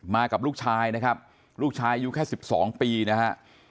มากับลูกชายนะครับลูกชายอยู่แค่สิบสองปีนะฮะ